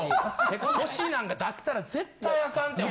星なんか出したら絶対あかんて。